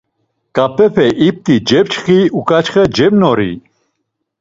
Ǩabepe ipt̆i cepçxi, uǩaçxe cemnori.